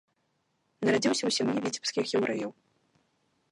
Нарадзіўся ў сям'і віцебскіх яўрэяў.